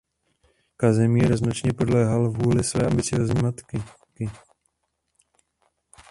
Kazimír značně podléhal vůli své ambiciózní matky.